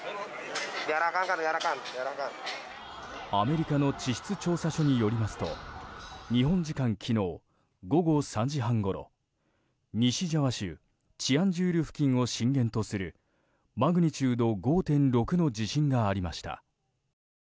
アメリカの地質調査所によりますと日本時間昨日、午後３時半ごろ西ジャワ州チアンジュールを震源とするマグニチュード５．６の地震がありました。